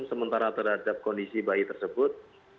sementara terhadap kondisi bayi tersebut